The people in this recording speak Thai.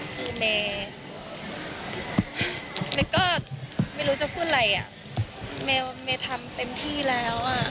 คือเมย์เมย์ก็ไม่รู้จะพูดอะไรอ่ะเมลเมย์ทำเต็มที่แล้วอ่ะ